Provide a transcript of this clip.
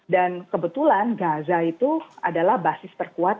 dan kebetulan gaza itu adalah basis terkuat